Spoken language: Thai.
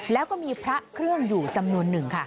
แล้วก็มีพระเครื่องอยู่จำนวนหนึ่งค่ะ